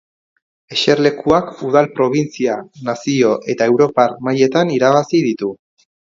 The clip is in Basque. Eserlekuak udal, probintzia, nazio eta europar mailetan irabazi ditu.